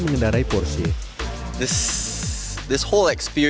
pengalaman ini saya pikir